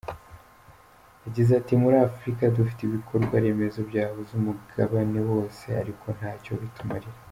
Yagize ati “Muri Afurika dufite ibikorwa remezo byahuza umugabane wose ariko ntacyo bitumarira.